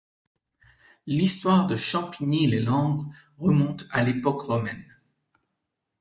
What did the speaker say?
L'histoire de Champigny-lès-Langres remonte à l'époque romaine.